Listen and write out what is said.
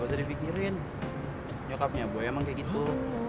gak usah dipikirin nyokapnya boy emang kayak gitu